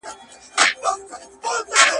نن گدا وو خو سبا به دنيا دار وو.